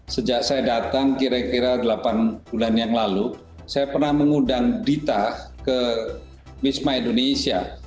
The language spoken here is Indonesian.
sejak saya datang kira kira delapan bulan yang lalu saya pernah mengundang dita ke misma indonesia